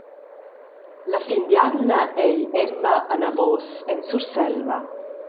La fin d’jamna ei Emma anavos en Surselva.